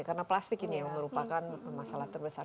karena plastik ini yang merupakan masalah terbesar